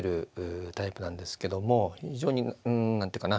非常に何て言うかな